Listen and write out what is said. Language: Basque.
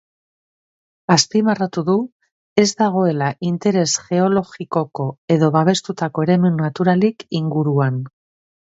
Azpimarratu du ez dagoela interes geologikoko edo babestutako eremu naturalik inguruan.